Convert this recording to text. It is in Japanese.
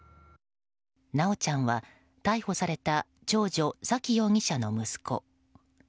修ちゃんは、逮捕された長女・沙喜容疑者の息子。